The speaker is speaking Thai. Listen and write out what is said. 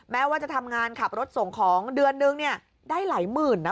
แม้ว่าจะทำงานขับรถส่งของเดือนนึงเนี่ยได้หลายหมื่นนะ